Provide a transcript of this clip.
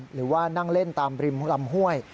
หรือว่านั่งเล่นตามริมลำห้วย